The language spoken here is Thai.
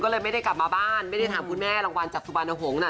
ก็เลยไม่ได้กลับมาบ้านไม่ได้ถามคุณแม่รางวัลจากสุวรรณหงษ์น่ะ